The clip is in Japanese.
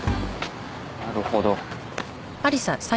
なるほど。